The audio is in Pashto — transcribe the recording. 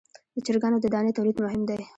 د چرګانو د دانې تولید مهم دی